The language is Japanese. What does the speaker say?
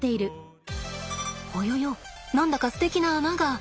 ほよよ何だかすてきな穴が。